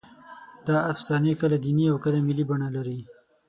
دا افسانې کله دیني او کله ملي بڼه لري.